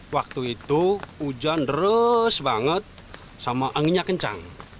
waktu itu hujan deres banget sama anginnya kencang